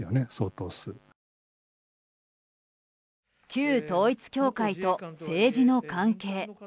旧統一教会と政治の関係。